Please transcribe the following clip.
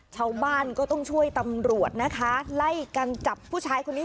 ชาวบ้านก็ต้องช่วยตำรวจนะคะไล่กันจับผู้ชายคนนี้